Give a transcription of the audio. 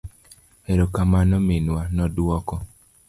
Ero kamano minwa, noduoko.